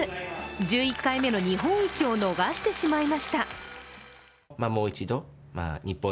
１１回目の日本一を逃してしまいました。